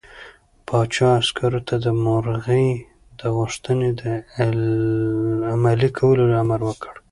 پاچا عسکرو ته د مرغۍ د غوښتنې د عملي کولو امر وکړ.